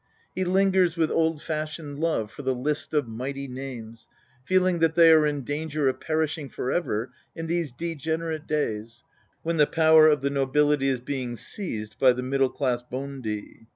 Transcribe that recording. He lingers with old fashioned love for the list of mighty names, feeling that they are in danger of perishing for ever in these degenerate days when the power of the nobility is being seized by the middle class bondi.